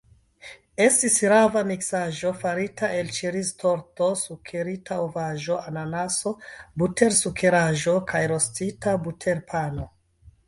Estis rava miksaĵo farita el ĉeriztorto, sukerita ovaĵo, ananaso, butersukeraĵo kaj rostita buterpano.